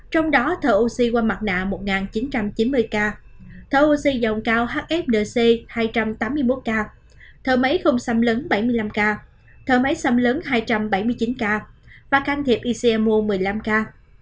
trong đó thở oxy qua mặt nạ một chín trăm chín mươi ca thở oxy dòng cao hfdc hai trăm tám mươi một ca thở máy không xâm lấn bảy mươi năm ca thở máy xâm lấn hai trăm bảy mươi chín ca và can thiệp ecmo một mươi năm ca